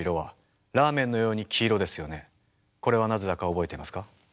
これはなぜだか覚えていますか？